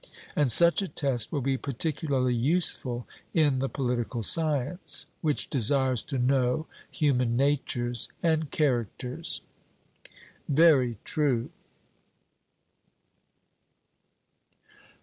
And such a test will be particularly useful in the political science, which desires to know human natures and characters. 'Very true.'